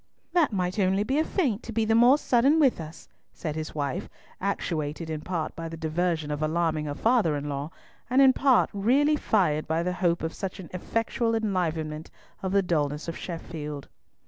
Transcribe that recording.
"That might only be a feint to be the more sudden with us," said his wife, actuated in part by the diversion of alarming her father in law, and in part really fired by the hope of such an effectual enlivenment of the dulness of Sheffield.